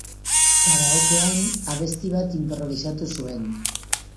Karaokean abesti bat inprobisatu zuen.